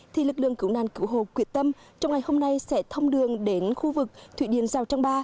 thì lực lượng cứu nàn cứu hộ quyết tâm trong ngày hôm nay sẽ thông đường đến khu vực thủy điện giao trang ba